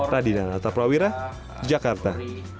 radinan alta prawira jakarta